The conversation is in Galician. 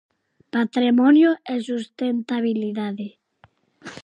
Patrimonio e sustentabilidade.